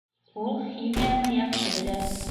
Ул химияны яҡшы белә